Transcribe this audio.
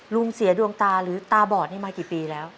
ลุงเสียดวงตาหรือตาบอดนี่มากี่ปีแล้ว